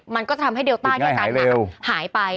มันก็จะทำให้เดียวต้านอาการหายไป